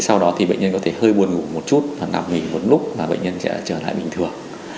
sau đó thì bệnh nhân có thể hơi buồn ngủ một chút và nằm nghỉ một lúc và bệnh nhân sẽ trở lại bình thường